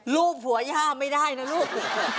ลูบหัวหญ้าไม่ได้นะลูก